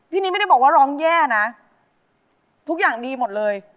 นี้ไม่ได้บอกว่าร้องแย่นะทุกอย่างดีหมดเลย